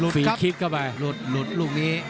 ฟีลคิกเข้าไปรวดลูกนี้